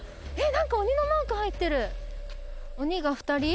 何か鬼のマーク入ってる鬼が２人？